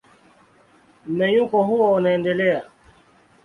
Mmenyuko huo unaendelea.